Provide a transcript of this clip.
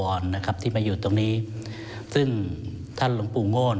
วรณนะครับที่มาอยู่ตรงนี้ซึ่งภาคบุงงโอ้นอ่ะ